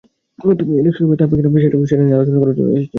তুমি এই ইলেকশনে থাকবে কিনা, সেটা নিয়ে আলোচনা করার জন্যই এসেছি।